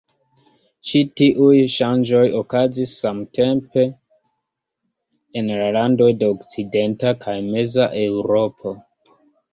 Ĉi tiuj ŝanĝoj okazis samtempe en la landoj de okcidenta kaj meza Eŭropo.